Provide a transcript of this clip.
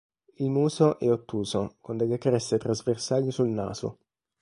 Il muso è ottuso con delle creste trasversali sul naso.